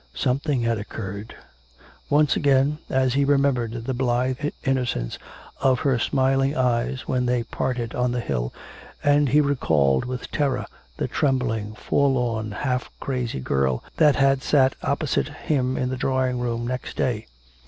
Something had occurred. Once again, as he remembered the blithe innocence of her smiling eyes when they parted on the hill, and he recalled with terror the trembling, forlorn, half crazy girl that had sat opposite him in the drawing room next day.